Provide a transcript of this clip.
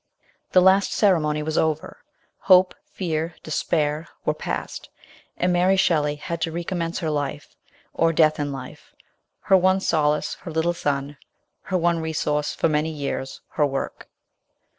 THE last ceremony was over, hope, fear, despair, were past, and Mary Shelley had to recommence her life, or death in life, her one solace her little son, her one resource for many years her work.